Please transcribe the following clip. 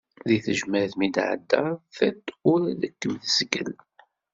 Deg tejmaɛt mi d-tɛeddaḍ, tiṭ ur ad kem-tzeggel.